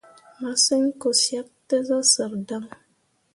Massǝŋ ko syak tǝ zah sǝrri dan.